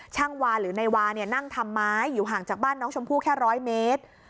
ช่างวาหรือนายวานั่งทำไม้อยู่ห่างจากบ้านน้องชมพู่แค่ร้อยเมตร